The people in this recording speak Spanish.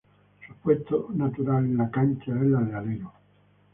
Su puesto natural en la cancha es la de alero.